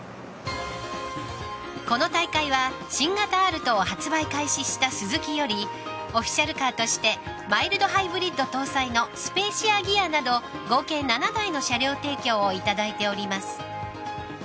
この大会は新型アルトを発売したスズキよりオフィシャルカーとしてマイルドハイブリッド搭載のスペーシアギアなど合計７台の車両提供をいただいております。